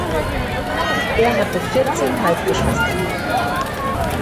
Er hatte vierzehn Halbgeschwister.